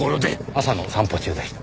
朝の散歩中でした。